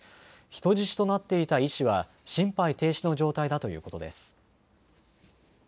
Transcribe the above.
人質となっていた医師は、心肺停止の状態だということです。